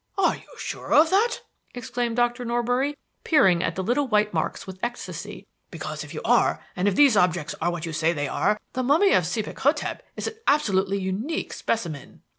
"Are you sure of that?" exclaimed Dr. Norbury, peering at the little white marks with ecstasy; "because if you are, and if these objects are what you say they are, the mummy of Sebek hotep is an absolutely unique specimen."